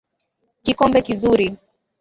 Kikombe kizuri.